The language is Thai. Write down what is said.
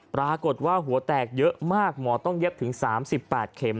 ปรากฏว่าหัวแตกเยอะมากหมอต้องเย็บถึง๓๘เข็ม